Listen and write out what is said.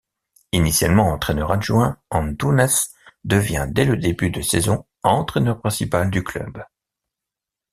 Initialement entraîneur adjoint, Antunès devient dès le début de saison entraîneur principal du club.